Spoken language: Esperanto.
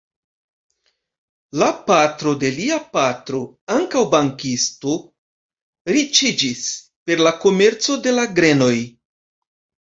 La patro de lia patro, ankaŭ bankisto, riĉiĝis per la komerco de la grenoj.